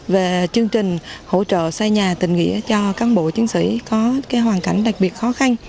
về chương trình hỗ trợ xây nhà tình nghĩa cho cán bộ chiến sĩ có hoàn cảnh đặc biệt khó khăn